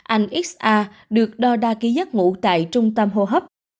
anh xr được đo đa ký giấc ngủ tại trung tâm hô hấp